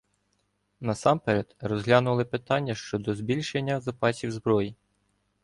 Насамперед розглянули питання щодо збільшення запасів зброї.